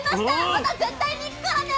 また絶対に行くからね！